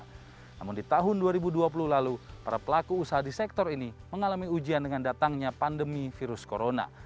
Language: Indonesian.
namun di tahun dua ribu dua puluh lalu para pelaku usaha di sektor ini mengalami ujian dengan datangnya pandemi virus corona